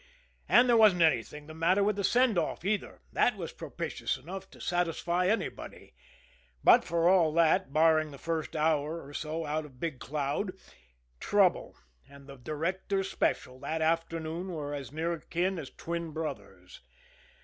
And there wasn't anything the matter with the send off, either, that was propitious enough to satisfy anybody; but, for all that, barring the first hour or so out of Big Cloud, trouble and the Directors' Special that afternoon were as near akin as twin brothers.